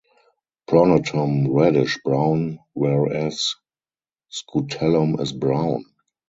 Pronotum reddish brown whereas scutellum is brown.